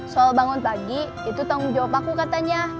soal bangun pagi itu tanggung jawab aku katanya